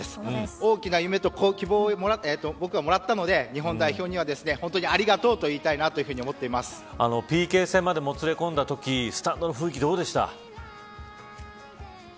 大きな夢と希望を僕はもらったので日本代表には本当にありがとうＰＫ戦までもつれ込んだときスタンドの雰囲気どうでした。